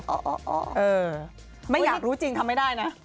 อ๋อไม่อยากรู้จริงทำไม่ได้นะ